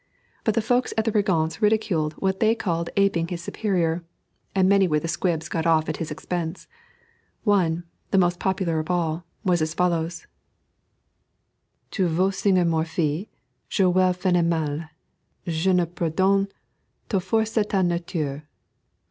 But the folks at the Régence ridiculed what they called aping his superior, and many were the squibs got off at his expense. One, the most popular of all, was as follows: "Tu veux singer Morphy, joueur phénoménal; Jeune imprudent, tu forces ta nature.